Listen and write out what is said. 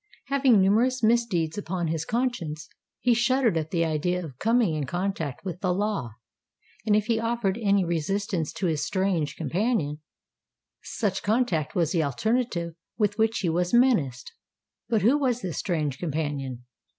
Having numerous misdeeds upon his conscience, he shuddered at the idea of coming in contact with the law; and if he offered any resistance to his strange companion, such contact was the alternative with which he was menaced. But who was this strange companion?